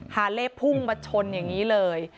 ฮาเล่พุ่งมาชนอย่างนี้เลย